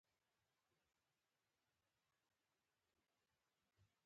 آیا موږ به یې ووینو؟